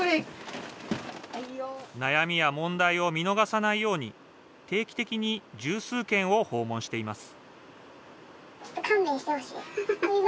悩みや問題を見逃さないように定期的に十数軒を訪問しています